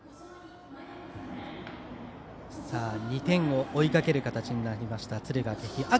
２点を追いかける形になりました、敦賀気比。